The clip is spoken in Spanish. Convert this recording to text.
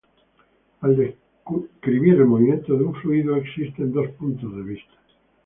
Al describir el movimiento de un fluido, existen dos puntos de vista.